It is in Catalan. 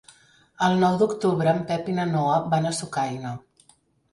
El nou d'octubre en Pep i na Noa van a Sucaina.